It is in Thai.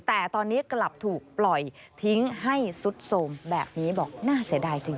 แต่ตอนนี้กลับถูกปล่อยทิ้งให้สุดโสมแบบนี้บอกน่าเสียดายจริง